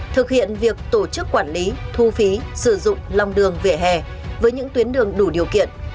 thực hiện việc tổ chức quản lý thu phí sử dụng lòng đường vỉa hè với những tuyến đường đủ điều kiện